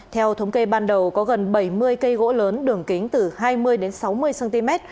theo thống kê ban đầu có gần bảy mươi cây gỗ lớn đường kính từ hai mươi đến sáu mươi cm